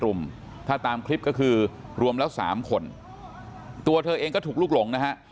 รุมถ้าตามคลิปก็คือรวมแล้วสามคนตัวเธอเองก็ถูกลุกหลงนะฮะ